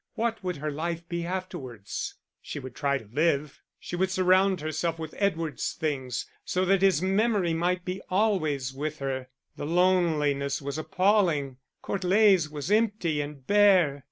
What would her life be afterwards? She would try to live, she would surround herself with Edward's things, so that his memory might be always with her; the loneliness was appalling. Court Leys was empty and bare.